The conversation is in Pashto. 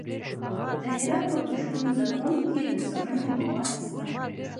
د هرات په پشتون زرغون کې د سمنټو مواد شته.